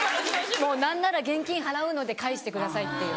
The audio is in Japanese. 何なら現金払うので返してくださいっていう。